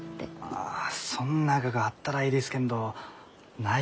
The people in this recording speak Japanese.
あそんなががあったらえいですけんどないですき。